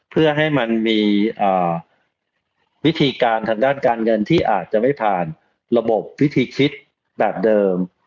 เพื่อให้มันมีวิธีการทางด้านการเงินที่อาจจะไม่ผ่านระบบวิธีคิดแบบเดิม